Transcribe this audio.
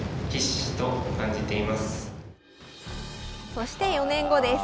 そして４年後です。